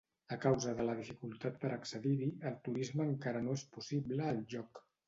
A causa de la dificultat per accedir-hi, el turisme encara no és possible al lloc.